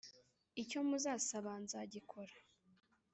Icyo muzasaba nzagikora